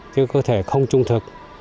cái cơ thể không trung thực